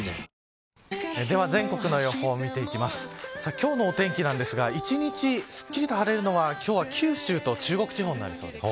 今日のお天気なんですが一日すっきりと晴れるのは今日は九州と中国地方になりそうです。